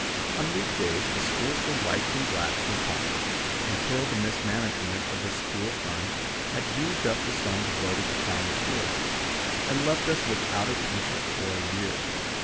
On week days a school for whites and blacks was taught, until the mismanagement of the school fund had used up the sum devoted to common schools, and left us without a teacher for a year.